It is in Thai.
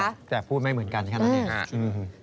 แต่พูดไม่เหมือนกันอย่างนั้น